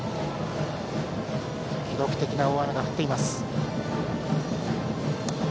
記録的な大雨が降っています。